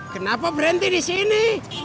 kenapa berhenti di sini